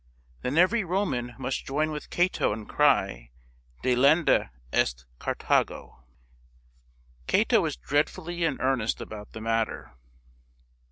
" Then every Roman must join with Cato and cry, ' Delenda est Carthago !'" Cato was dreadfully in earnest about the matter.